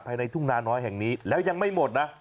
ภายในทุ่งนาน้อยแห่งนี้แล้วยังไม่หมดนะ